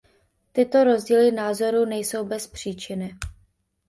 Tyto rozdíly názorů nejsou bez příčiny.